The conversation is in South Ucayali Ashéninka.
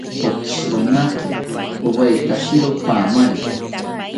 Kotzironaki owaetakiro paamari